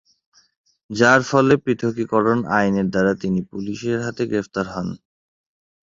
যার ফলে পৃথকীকরণ আইনের দ্বারা তিনি পুলিশের হাতে গ্রেফতার হন।